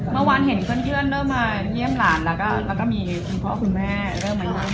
อเมื่อวานเห็นเครื่อยเริ่มมาเงียมหลานแล้วกระบาดแล้วก็มีพ่อคุณแม่หรือมาย่าม